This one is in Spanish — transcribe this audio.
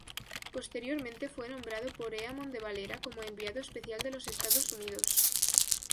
Posteriormente fue nombrado por Éamon de Valera como enviado especial de los Estados Unidos.